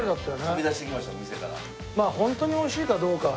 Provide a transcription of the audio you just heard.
飛び出してきましたお店から。